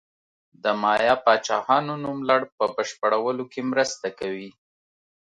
د مایا پاچاهانو نوملړ په بشپړولو کې مرسته کوي.